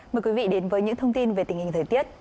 mời quý vị đến với những thông tin về tình hình thời tiết